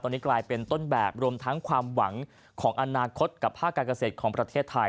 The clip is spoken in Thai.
ตอนนี้กลายเป็นต้นแบบรวมทั้งความหวังของอนาคตกับภาคการเกษตรของประเทศไทย